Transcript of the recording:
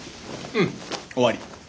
うん終わり。